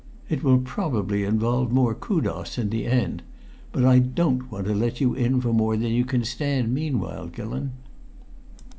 It will probably involve more kudos in the end. But I don't want to let you in for more than you can stand meanwhile, Gillon."